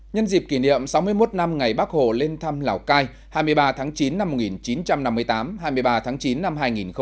nhân dịp kỷ niệm sáu mươi một năm ngày bắc hồ lên thăm lào cai hai mươi ba tháng chín năm một nghìn chín trăm năm mươi tám hai mươi ba tháng chín năm hai nghìn một mươi chín